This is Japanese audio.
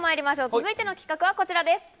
続いての企画はこちらです。